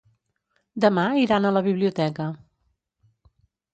Demà iran a la biblioteca.